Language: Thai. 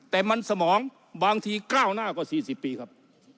แต่มันสมองบางทีก้าวหน้ากว่า๔๐ปีครับ